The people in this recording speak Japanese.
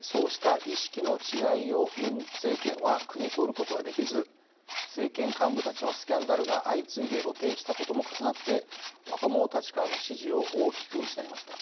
そうした意識の違いをムン政権はくみ取ることができず政権幹部たちのスキャンダルが相次いで露呈したことも重なって若者たちからの支持を大きく失いました。